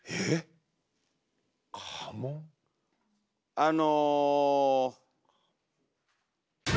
あの。